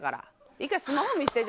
１回スマホ見せて。